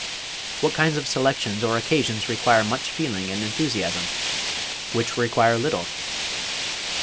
What kinds of selections or occasions require much feeling and enthusiasm? Which require little?